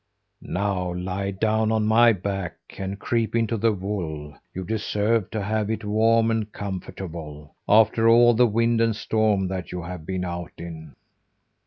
"Now lie down on my back, and creep into the wool! You deserve to have it warm and comfortable, after all the wind and storm that you have been out in."